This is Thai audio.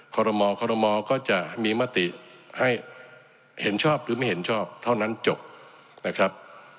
คอรมอก็จะมีมติให้เห็นชอบหรือไม่เห็นชอบเท่านั้นจบนะครับ